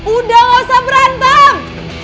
udah ga usah berantem